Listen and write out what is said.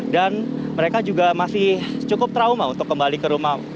dan mereka juga masih cukup trauma untuk kembali ke rumah